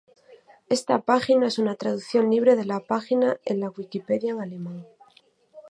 Esta página es una traducción libre de la página en la Wikipedia en alemán.